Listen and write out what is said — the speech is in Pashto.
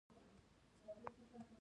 رئیس جمهور خپلو عسکرو ته امر وکړ؛ چمتو!